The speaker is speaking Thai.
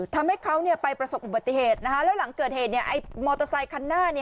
ทำให้เขาไปประสบอุบัติเหตุแล้วหลังเกิดเหตุมอเตอร์ไซคันหน้า